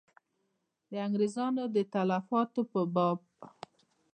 د انګرېزیانو د تلفاتو په باب.